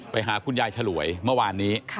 ไปหาคุณยายฉลวยเมื่อวานนี้